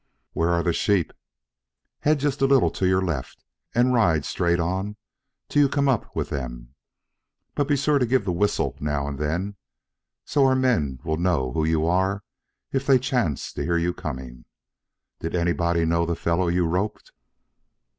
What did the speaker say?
"Where are the sheep?" "Head just a little to your left and ride straight, on till you come up with them. But be sure to give the whistle now and then so our men will know who you are if they chance to hear you coming. Did anybody know the fellow you roped?"